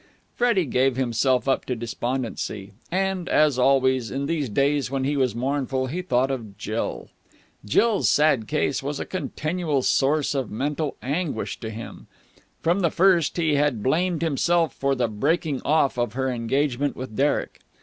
Freddie gave himself up to despondency: and, as always in these days when he was mournful, he thought of Jill. Jill's sad case was a continual source of mental anguish to him. From the first he had blamed himself for the breaking off of her engagement with Derek.